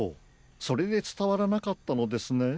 それでつたわらなかったのですね。